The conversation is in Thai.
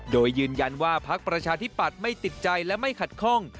โดยยืนยันว่าพักประชาธิปัตย์ไม่ติดใจและไม่ขัดข้อง